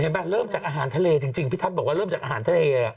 มันเริ่มจากอาหารทะเลจริงพี่ทัศน์บอกว่าเริ่มจากอาหารทะเล